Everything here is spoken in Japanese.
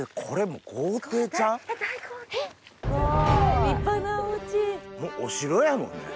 もうお城やもんね。